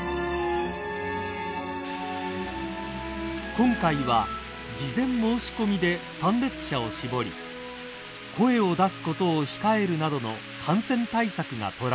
［今回は事前申し込みで参列者を絞り声を出すことを控えるなどの感染対策が取られました］